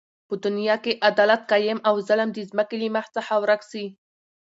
په دنیا کی عدالت قایم او ظلم د ځمکی له مخ څخه ورک سی